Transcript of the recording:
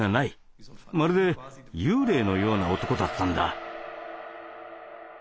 まるで幽霊のような男だったんだ。